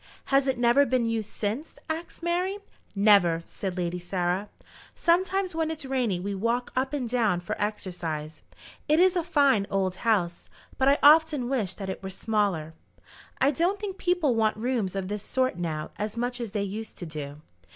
"Has it never been used since?" asked Mary. "Never," said Lady Sarah. "Sometimes when it's rainy we walk up and down for exercise. It is a fine old house, but I often wish that it were smaller. I don't think people want rooms of this sort now as much as they used to do.